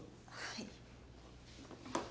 はい。